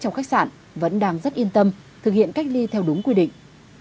trong khách sạn vẫn đang rất yên tâm thực hiện cách ly theo đúng quy định